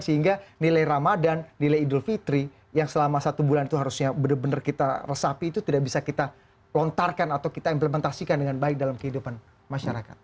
sehingga nilai ramadan nilai idul fitri yang selama satu bulan itu harusnya benar benar kita resapi itu tidak bisa kita lontarkan atau kita implementasikan dengan baik dalam kehidupan masyarakat